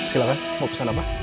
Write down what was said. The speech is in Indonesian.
silakan mau pesan apa